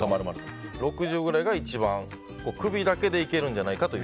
６０くらいが一番首だけでいけるんじゃないかと。